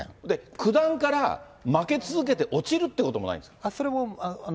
九段から負け続けて落ちるってこともないんですか？